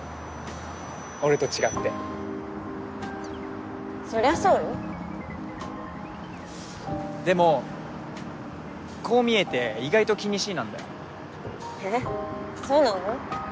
俺と違ってそりゃそうよでもこう見えて意外と気にしいなんだよへぇそうなの？